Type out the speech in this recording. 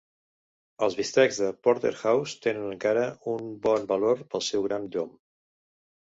Els bistecs de Porterhouse tenen encara més bon valor pel seu gran llom.